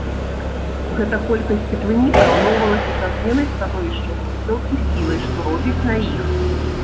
Гэта колькасць цеплыні параўноўвалася са зменай становішча грузаў і сілай, што робіць на іх.